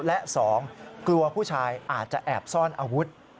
และ๒กลัวผู้ชายอาจจะแอบซ่อนอาวุธ